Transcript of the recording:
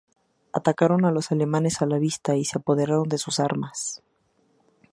Atacaron a los alemanes a la vista y se apoderaron de sus armas.